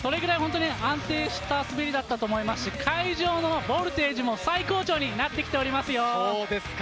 安定した滑りだったと思いますし、会場のボルテージも最高潮になってきておりますよ。